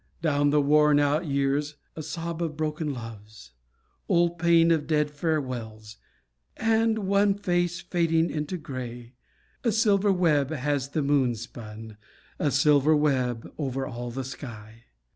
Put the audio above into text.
Down the worn out years a sob Of broken loves; old pain Of dead farewells; and one face Fading into grey.... A silver web has the moon spun, A silver web over all the sky.